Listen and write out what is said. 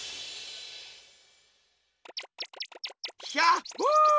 ひゃっほ！